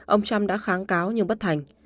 ông trump đã kháng cáo nhưng bất thành